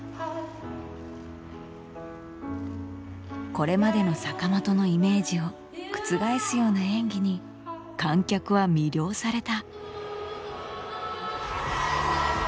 これまでの坂本のイメージを覆すような演技に観客は魅了された。